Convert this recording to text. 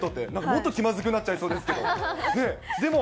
もっと気まずくなっちゃいそうですけれども。